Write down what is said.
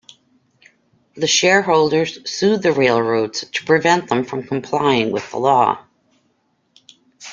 The shareholders sued the railroads to prevent them from complying with the law.